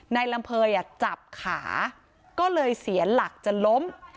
ลำเภยจับขาก็เลยเสียหลักจนล้ม